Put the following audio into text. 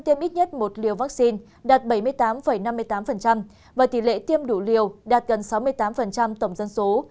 đều vaccine đạt bảy mươi tám năm mươi tám và tỷ lệ tiêm đủ liều đạt gần sáu mươi tám tổng dân số